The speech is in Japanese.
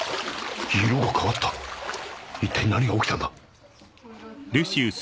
色が変わった一体何が起きたんだ？